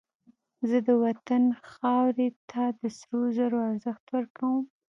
زه د وطن خاورې ته د سرو زرو ارزښت ورکوم